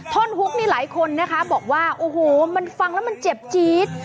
ท่อนฮุกนี่หลายคนนะคะบอกว่าโอ้โหมันฟังแล้วมันเจ็บจี๊ด